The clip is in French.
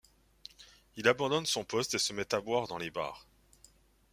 Il abandonne son poste et se met à boire dans les bars.